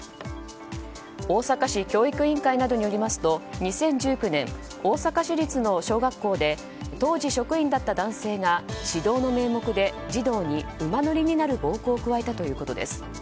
大阪市教育委員会などによりますと２０１９年、大阪市立の小学校で当時職員だった男性が指導の名目で児童に馬乗りになる暴行を加えたということです。